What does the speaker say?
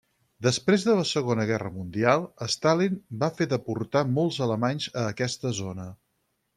Després de la Segona Guerra Mundial, Stalin va fer deportar molts alemanys a aquesta zona.